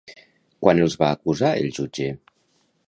Quan els va acusar el jutge?